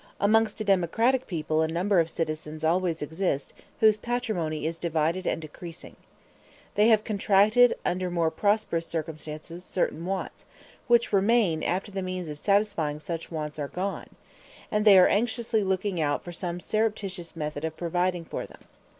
Amongst a democratic people a number of citizens always exist whose patrimony is divided and decreasing. They have contracted, under more prosperous circumstances, certain wants, which remain after the means of satisfying such wants are gone; and they are anxiously looking out for some surreptitious method of providing for them.